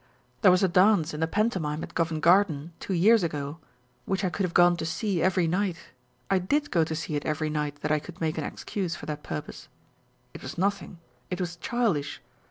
There was a dance in the pantomime at Covent Garden two years ago,1 which I could have gone to see every night. I did go to see it every night that I could make an excuse for that purpose. It was nothing ; it was childish.